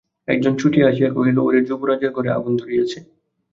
একজন ছুটিয়া আসিয়া কহিল, ওরে, যুবরাজের ঘরে আগুন ধরিয়াছে।